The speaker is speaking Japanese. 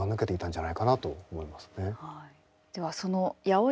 はい。